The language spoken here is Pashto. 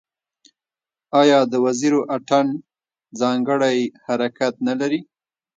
آیا د وزیرو اتن ځانګړی حرکت نلري؟